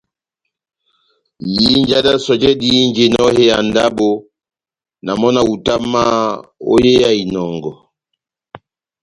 Ihinja d́ sɔjɛ dihínjinɔ ó hé ya ndábo, na mɔ́ na hutamahá ó ya inɔngɔ.